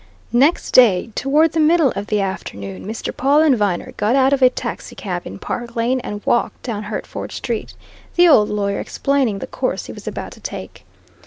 Next day, toward the middle of the afternoon, Mr. Pawle and Viner got out of a taxicab in Park Lane and walked down Hertford Street, the old lawyer explaining the course he was about to take.